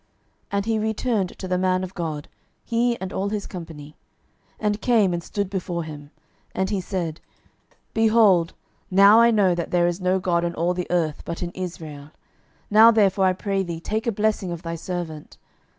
12:005:015 And he returned to the man of God, he and all his company, and came, and stood before him: and he said, Behold, now I know that there is no God in all the earth, but in Israel: now therefore, I pray thee, take a blessing of thy servant.